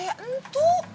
saya namanya ntuk